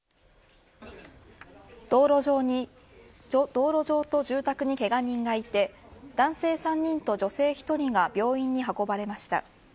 道路上と住宅に、けが人がいて男性３人と女性１人が病院に運ばれました。